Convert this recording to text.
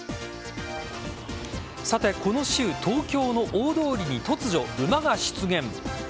さて、この週東京の大通りに突如、馬が出現。